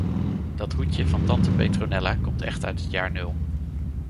Dat hoedje van tante Petronella komt echt uit het jaar nul.